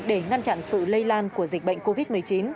để ngăn chặn sự lây lan của dịch bệnh covid một mươi chín